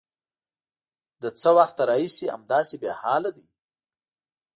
_له څه وخته راهيسې همداسې بېحاله دی؟